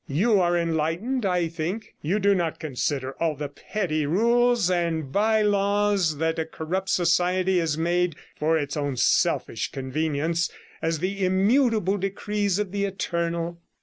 You are enlightened, I think; you do not consider all the petty rules and by laws that 132 a corrupt society has made for its own selfish convenience as the immutable decrees of the Eternal.'